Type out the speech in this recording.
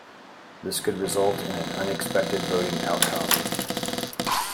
This could result in an unexpected voting outcome.